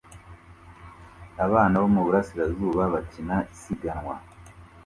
Abana bo mu burasirazuba bakina isiganwa